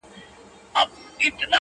وې سترگي دي و دوو سترگو ته څومره فکر وړي